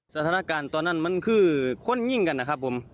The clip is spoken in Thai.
สถานการณ์ตอนนั้นมันคือคนยิ่งกันนะครับผม